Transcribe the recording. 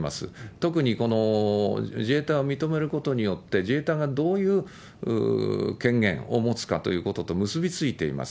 特にこの自衛隊を認めることによって、自衛隊がどういう権限を持つかということと結びついています。